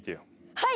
はい！